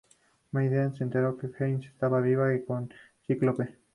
Madelyne se enteró de que Jean Grey estaba viva y con Cíclope.